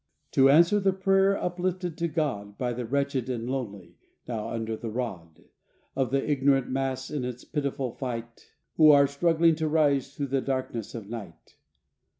To answer the prayer uplifted to God, By the wretched and lonely, now "under the rod/' Of the ignorant mass in its pitiful fight, Who are struggling to rise thru the darkness of night.